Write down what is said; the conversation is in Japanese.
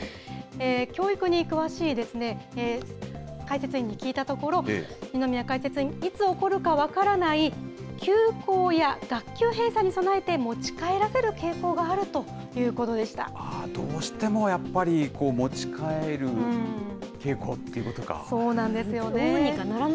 教育に詳しい解説委員に聞いたところ、二宮解説委員、いつ起こるか分からない休校や学級閉鎖に備えて持ち帰らせる傾向どうしてもやっぱり、持ち帰そうなんですよね。